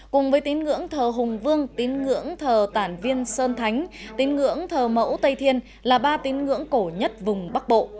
cùng với tín ngưỡng thờ hùng vương tín ngưỡng thờ tản viên sơn thánh tín ngưỡng thờ mẫu tây thiên là ba tín ngưỡng cổ nhất vùng bắc bộ